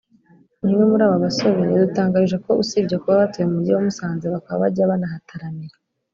umwe muri aba basore yadutangarije ko usibye kuba batuye mu mujyi wa Musanze bakaba bajya banahataramira